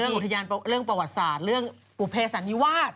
สุขอย่างเรื่องประวัติศาสตร์ปุเปศรรยีวาด